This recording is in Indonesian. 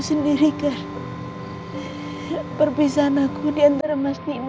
aku bener bener mau mempertahankan